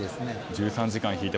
１３時間引いて。